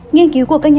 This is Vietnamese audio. nghiên cứu của bệnh nhân